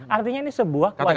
artinya ini sebuah kewajiban